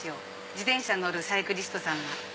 自転車に乗るサイクリストさんが。